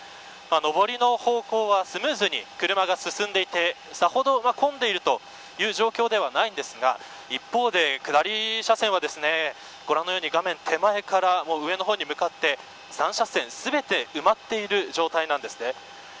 上りの方向はスムーズに車が進んでいてさほど混んでいるという状況ではないんですが一方で、下り車線はご覧のように画面手前から上の方に向かって３車線全て埋まっている状態なんです。